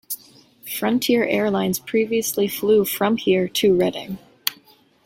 Frontier Airlines previously flew from here to Redding.